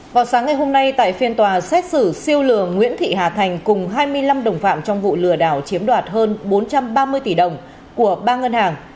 vào sáng ngày hôm nay tại phiên tòa xét xử siêu lừa nguyễn thị hà thành cùng hai mươi năm đồng phạm trong vụ lừa đảo chiếm đoạt hơn bốn trăm ba mươi tỷ đồng của ba ngân hàng